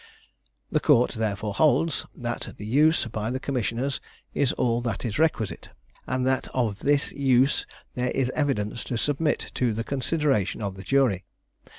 The court therefore holds, that the use by the commissioners is all that is requisite, and that of this use there is evidence to submit to the consideration of the jury.